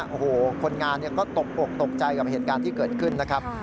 โอ้โหคนงานก็ตกอกตกใจกับเหตุการณ์ที่เกิดขึ้นนะครับ